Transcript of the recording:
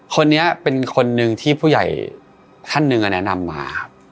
คนนี้เป็นคนหนึ่งที่ผู้ใหญ่ท่านหนึ่งแนะนำมา